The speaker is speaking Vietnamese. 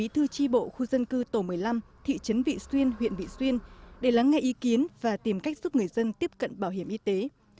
thư tri bộ khu dân cư tổ một mươi năm thị trấn vị xuyên huyện vị xuyên để lắng nghe ý kiến và tìm cách giúp người dân tiếp cận bảo hiểm y tế